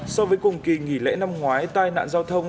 so với cùng kỳ nghỉ lễ năm ngoái tai nạn giao thông